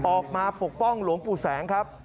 ปกป้องหลวงปู่แสงครับ